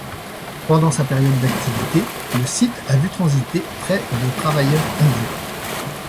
Pendant sa période d’activité le site a vu transiter près de travailleurs indiens.